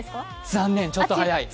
残念、ちょっと早い。